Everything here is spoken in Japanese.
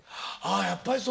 あやっぱりそう。